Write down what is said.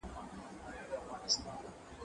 که وخت وي، سیر کوم!.